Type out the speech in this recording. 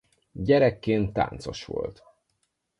Gyerekként táncos volt.